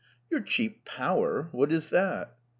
'' "Your cheap power! What is that?"